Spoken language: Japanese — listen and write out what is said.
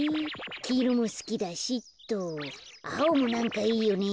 きいろもすきだしあおもなんかいいよね。